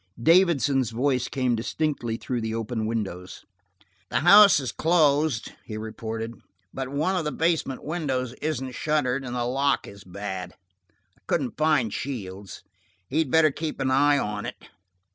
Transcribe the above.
Davidson's voice came distinctly through the open windows. "The house is closed," he reported. "But one of the basement windows isn't shuttered and the lock is bad. I couldn't find Shields. He'd better keep an eye on it."